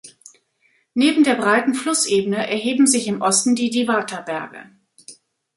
Neben der breiten Flussebene erheben sich im Osten die Diwata-Berge.